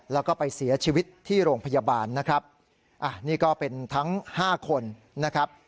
แล้วก็ไปเสียชีวิตที่โรงพยาบาลนะครับอ่ะนี่ก็เป็นทั้งห้าคนนะครับ